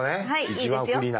一番不利な。